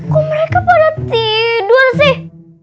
kok mereka pada tidur sih